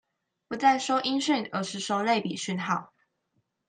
不再收音訊而是收類比訊號